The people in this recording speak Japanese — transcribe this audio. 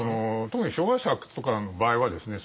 特に「昭和史発掘」とかの場合はですね